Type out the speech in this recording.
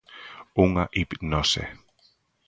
Unha hipnose.